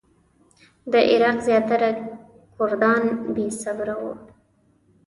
د عراق زیاتره کردان بې صبره وو.